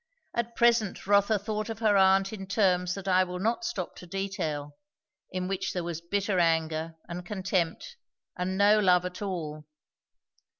At present Rotha thought of her aunt in terms that I will not stop to detail; in which there was bitter anger and contempt and no love at all.